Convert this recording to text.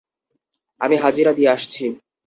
আমি হাজিরা দিয়ে আসছি।